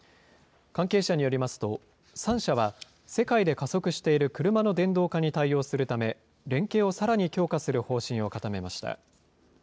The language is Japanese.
関係者によりますと、３社は世界で加速している車の電動化に対応するため、連携をさらに強化する方針を固めました。